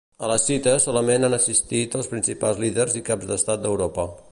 A la cita solament han assistit els principals líders i caps d'estat d'Europa.